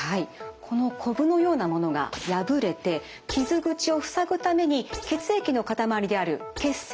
このこぶのようなものが破れて傷口を塞ぐために血液の塊である血栓ができます。